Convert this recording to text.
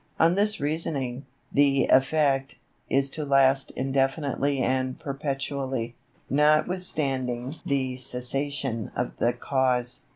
On this reasoning, the effect is to last indefinitely and perpetually, notwithstanding the cessation of the cause.